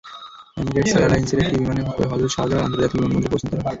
Emirates এয়ারলাইনসের একটি বিমানে করে হজরত শাহজালাল আন্তর্জাতিক বিমানবন্দরে পৌঁছান তাঁরা।